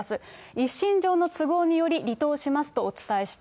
一身上の都合により、離党しますとお伝えした。